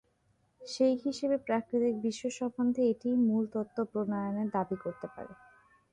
সেই হিসেবে প্রাকৃতিক বিশ্ব সম্বন্ধে এটিই মূল তত্ত্ব প্রণয়নের দাবী করতে পারে।